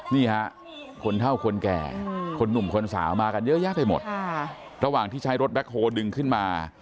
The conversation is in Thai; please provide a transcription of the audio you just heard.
นี่ฮะคนเท่าคนแก่คนหนุ่มคนสาวมากันเยอะแยะไปหมดระหว่างที่ใช้รถแบ็คโฮลดึงขึ้นมา